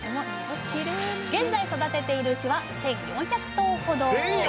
現在育てている牛は１，４００頭ほど。